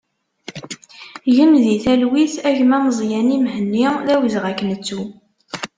Gen di talwit a gma Mezyani Mhenni, d awezɣi ad k-nettu!